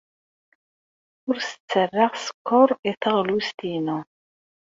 Ur as-ttarraɣ sskeṛ i teɣlust-inu.